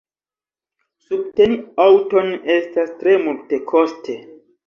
Subteni aŭton estas tre multekoste.